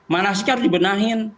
manasik harus dibenahi